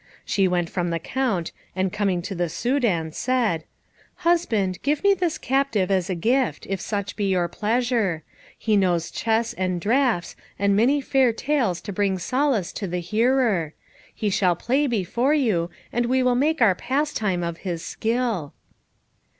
She went from the Count, and coming to the Soudan, said, "Husband, give me this captive as a gift, if such be your pleasure. He knows chess and draughts and many fair tales to bring solace to the hearer. He shall play before you, and we will make our pastime of his skill."